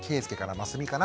真澄かな？